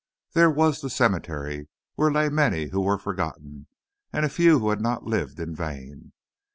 There was the cemetery, where lay many who were forgotten, and a few who had not lived in vain.